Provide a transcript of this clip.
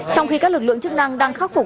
trong khi các lực lượng chức năng đang khắc phục